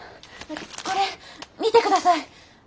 これ見て下さい！